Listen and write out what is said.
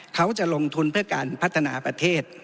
เขาจะลงทุนเพื่อการพัฒนาประเทศ